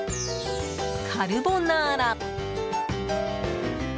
カルボナーラ。